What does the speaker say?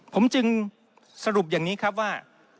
ผมจึงสรุปอย่างนี้ครับว่า